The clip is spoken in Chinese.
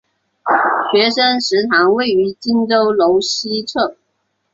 学生食堂位于荆州楼西侧。